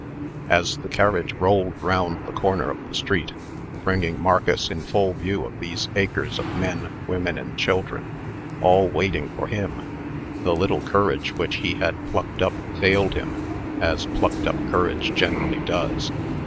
As the carriage rolled round the corner of the street, bringing Marcus in full view of these acres of men, women, and children all waiting for him the little courage which he had plucked up failed him, as plucked up courage generally does.